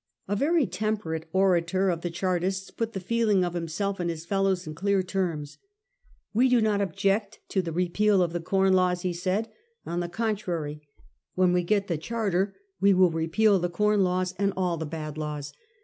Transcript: A very temperate orator of the Chartists put the feeling of himself and his fellows in clear terms. 'We do not object to the repeal of the Corn Laws,' he said ;' on the contrary. When we get the Charter we will repeal the Corn Laws and all the bad laws.